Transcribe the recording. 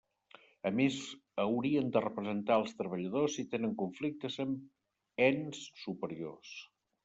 A més haurien de representar als treballadors si tenen conflictes amb ens superiors.